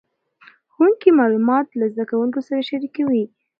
ښوونکي معلومات له زده کوونکو سره شریکوي.